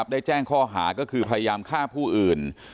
ได้แจ้งข้อหาก็คือพยายามฆ่าผู้อื่น